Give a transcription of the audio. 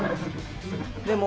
でも